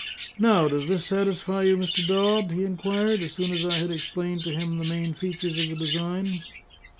"Now, does this satisfy you, Mr. Dodd?" he inquired, as soon as I had explained to him the main features of the design.